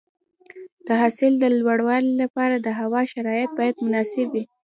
د حاصل د لوړوالي لپاره د هوا شرایط باید مناسب وي.